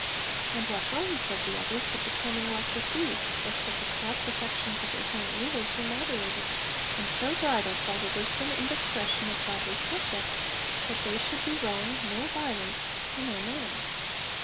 'And what harm,' said the other, 'should the Commonwealth receive, if that the corrupt affections of ignorant rulers were moderated, and so bridled by the wisdom and discretion of godly subjects that they should do wrong nor violence to no man?'